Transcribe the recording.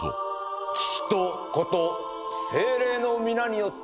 父と子と聖霊の御名によって。